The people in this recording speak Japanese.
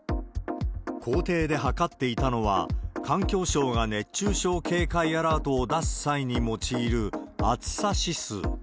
校庭で測っていたのは、環境省が熱中症警戒アラートを出す際に用いる暑さ指数。